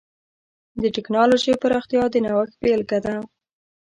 د ټکنالوجۍ پراختیا د نوښت بېلګه ده.